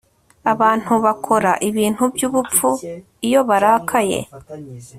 Abantu bakora ibintu byubupfu iyo barakaye